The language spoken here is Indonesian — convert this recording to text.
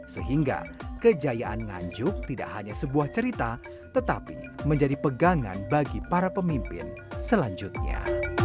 sehingga kejayaan nganjuk tidak hanya sebuah cerita tetapi menjadi pegangan bagi para pemimpin selanjutnya